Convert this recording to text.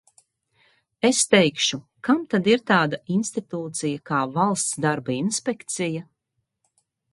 Es teikšu: kam tad ir tāda institūcija kā Valsts darba inspekcija?